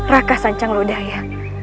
raka sancang lodaya